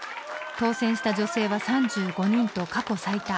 当選した女性は３５人と過去最多。